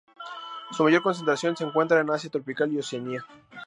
Su mayor concentración se encuentra en Asia tropical y Oceanía.